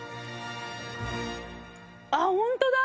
あっホントだ！